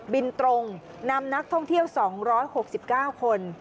บินตรงนำนักท่องเที่ยว๒๖๙คน